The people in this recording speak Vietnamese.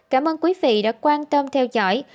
cảm ơn quý vị đã quan tâm theo dõi